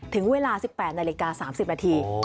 ถึงเวลา๑๘นาฬิกา๓๐นาที